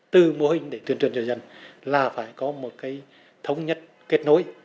từ mô hình để tuyên truyền cho dân là phải có một cái thống nhất kết nối